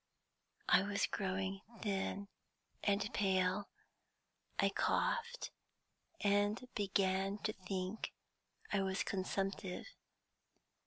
I was growing thin and pale. I coughed, and began to think I was consumptive.